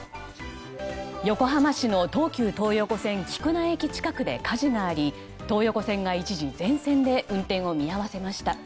横浜市の東急東横線菊名駅近くで火事があり東横線が一時全線で運転を見合わせました。